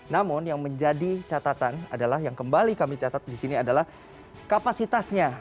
namun yang menjadi catatan adalah yang kembali kami catat di sini adalah kapasitasnya